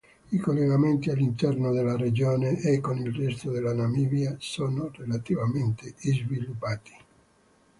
I collegamenti all'interno della regione e con il resto della Namibia sono relativamente sviluppati.